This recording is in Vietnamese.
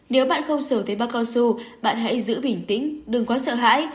nếu bạn không sửa thấy bác con su bạn hãy giữ bình tĩnh đừng có sợ hãi